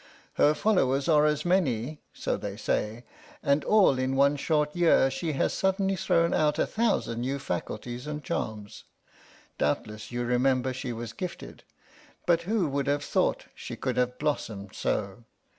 Her followers are as many, so they say, and all in one short year she has suddenly thrown out a thousand new faculties and charms. Doubtless you remember she was gifted, but who would have thought she could have blossomed so!